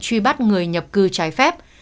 truy bắt người nhập cư trái phép